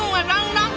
ラン！